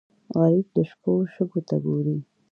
غریب د شپو شګو ته ګوري